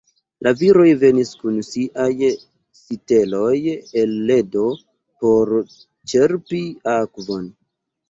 La viroj venis kun siaj siteloj el ledo por ĉerpi akvon.